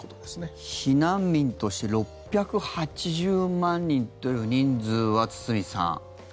避難民として６８０万人という人数は、堤さん。